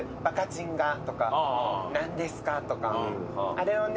あれをね